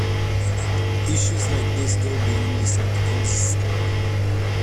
Issues like these go beyond this articles scope.